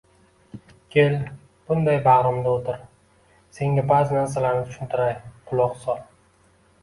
Kel, bunday bag'rimda o'tir, senga ba'zi narsalarni tushuntiray, quloq sol.